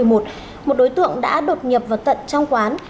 một đối tượng đã đột nhập vào tận trong quán